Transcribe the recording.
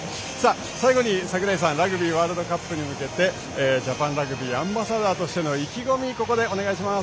最後に櫻井さんラグビーワールドカップに向けてジャパンラグビーアンバサダーとしての意気込み、お願いします。